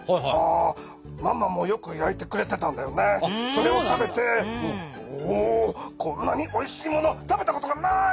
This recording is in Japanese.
それを食べて「おこんなにおいしいもの食べたことがない。